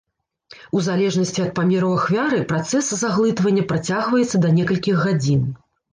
У залежнасці ад памераў ахвяры працэс заглытвання працягваецца да некалькіх гадзін.